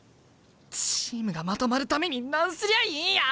チームがまとまるために何すりゃいいんや！？